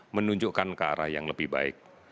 menunjukkan ke arah yang lebih baik